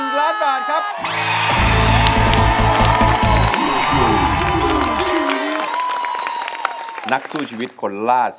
ร้องได้ให้ร้าง